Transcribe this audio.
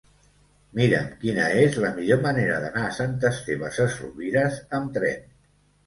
Mira'm quina és la millor manera d'anar a Sant Esteve Sesrovires amb tren.